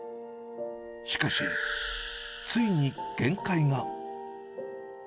しかし、ついに限界が。